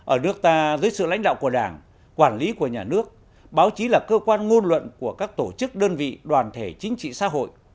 ở nước ta dưới sự lãnh đạo của đảng quản lý của nhà nước báo chí là cơ quan ngôn luận của các tổ chức đơn vị đoàn thể chính trị xã hội